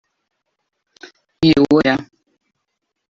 I ho era.